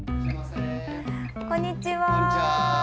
こんにちは。